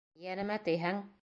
Йәнемә тейһәң...